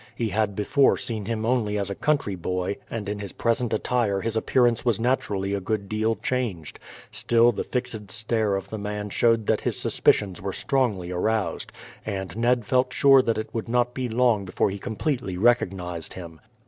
He had before seen him only as a country boy, and in his present attire his appearance was naturally a good deal changed. Still the fixed stare of the man showed that his suspicions were strongly aroused, and Ned felt sure that it would not be long before he completely recognized him.